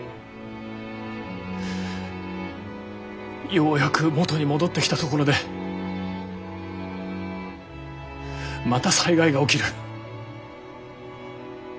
ようやく元に戻ってきたところでまた災害が起きる。